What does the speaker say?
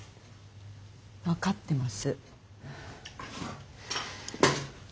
分かってます。